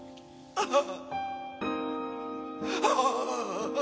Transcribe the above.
ああ！